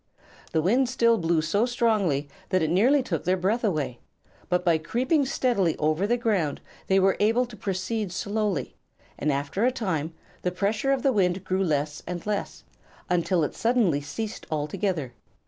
The wind still blew so strongly that it nearly took their breath away, but by creeping steadily over the ground they were able to proceed slowly, and after a time the pressure of the wind grew less and less, until it suddenly ceased altogether.